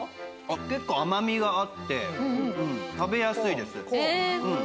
結構甘みがあって食べやすいです。